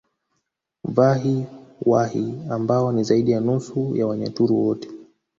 Vahi Wahi ambao ni zaidi ya nusu ya Wanyaturu wote